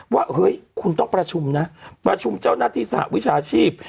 ว่าเฮ้ยคุณต้องประชุมนะประชุมเจ้าหน้าที่สหวิชาชีพ